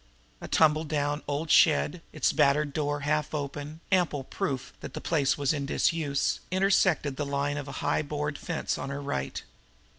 A tumble down old shed, its battered door half open, ample proof that the place was in disuse, intersected the line of high board fence on her right.